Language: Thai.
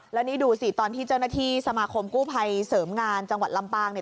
แล้วนี่ดูสิตอนที่เจ้าหน้าที่สมาคมกู้ภัยเสริมงานจังหวัดลำปางเนี่ย